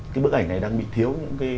cái bức ảnh này đang bị thiếu